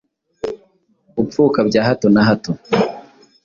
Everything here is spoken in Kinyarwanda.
Upfuka bya hato na hato